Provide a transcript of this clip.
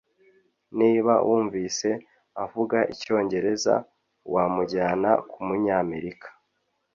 Niba wumvise avuga icyongereza wamujyana kumunyamerika